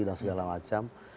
dan segala macam